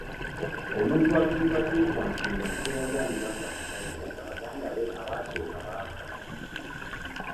Omuntu atuumibwa Byekwaso ye muntu eyazaalibwa nga musajja nga baganda be abaamusooka baafa.